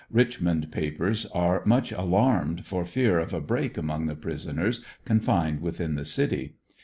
Richmond papers are much alarmed for fear of a break among the prisoners confined within the city.